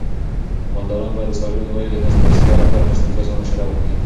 مالداران باید د څارویو د نسل د اصلاح لپاره له مسلکي کسانو مشوره واخلي.